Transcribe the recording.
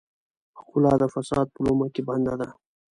ښکلا د فساد په لومه کې بنده ده.